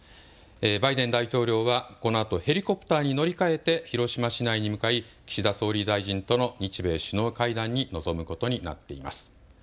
バイデン大統領はこのあとヘリコプターに乗り換えて広島市内に向かい岸田総理大臣との日米首脳会談に臨むことになっています。